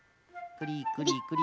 クリクリクリ。